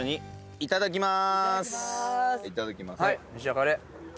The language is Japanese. いただきます。